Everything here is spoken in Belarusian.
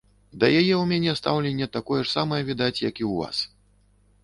Да яе ў мяне стаўленне такое ж самае, відаць, як і ў вас.